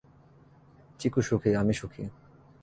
চিকু সুখী, আমি সুখী।